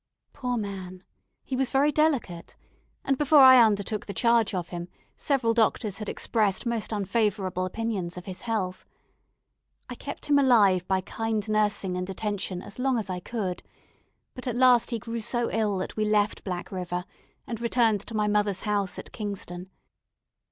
Poor man! he was very delicate; and before I undertook the charge of him, several doctors had expressed most unfavourable opinions of his health. I kept him alive by kind nursing and attention as long as I could; but at last he grew so ill that we left Black River, and returned to my mother's house at Kingston.